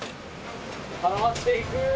絡まっていく！